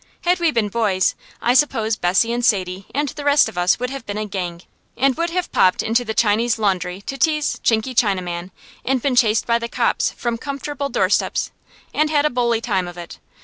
Had we been boys, I suppose Bessie and Sadie and the rest of us would have been a "gang," and would have popped into the Chinese laundry to tease "Chinky Chinaman," and been chased by the "cops" from comfortable doorsteps, and had a "bully" time of it.